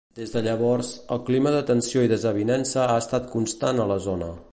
Des de llavors, el clima de tensió i desavinença ha estat constant a la zona.